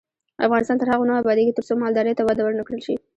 افغانستان تر هغو نه ابادیږي، ترڅو مالدارۍ ته وده ورنکړل شي.